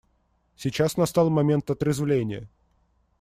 Сейчас настал момент отрезвления.